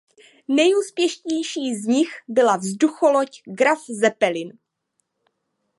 Nejúspěšnější z nich byla vzducholoď "Graf Zeppelin".